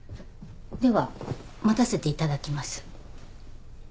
では待たせていただきます。